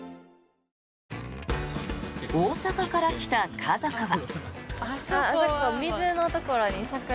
大阪から来た家族は。